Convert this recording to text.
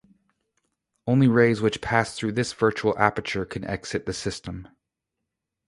Only rays which pass through this virtual aperture can exit the system.